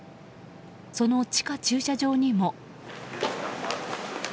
その地下駐車場にも。